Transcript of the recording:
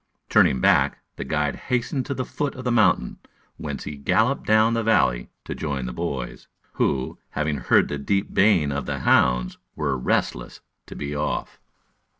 Turning back, the guide hastened to the foot of the mountain, whence he galloped down the valley to join the boys, who, having heard the deep baying of the hounds, were restless to be off.